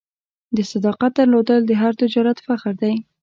د صداقت درلودل د هر تجارت فخر دی.